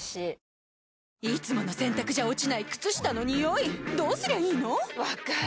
いつもの洗たくじゃ落ちない靴下のニオイどうすりゃいいの⁉分かる。